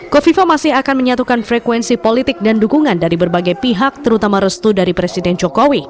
kofifa masih akan menyatukan frekuensi politik dan dukungan dari berbagai pihak terutama restu dari presiden jokowi